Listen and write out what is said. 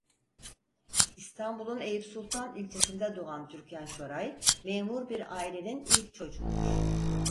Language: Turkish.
İstanbul'un Eyüpsultan ilçesinde doğan Türkan Şoray memur bir ailenin ilk çocuğudur.